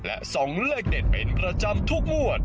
และส่องเลขเด็ดเป็นประจำทุกงวด